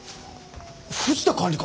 藤田管理官。